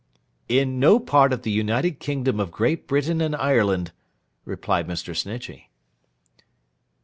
'In no part of the United Kingdom of Great Britain and Ireland,' replied Mr. Snitchey.